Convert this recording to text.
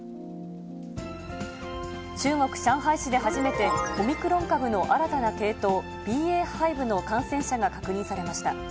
中国・上海市で初めて、オミクロン株の新たな系統、ＢＡ．５の感染者が確認されました。